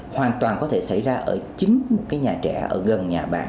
hoàn toàn có thể xảy ra ở chính một cái nhà trẻ ở gần nhà bạn